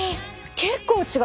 結構違う。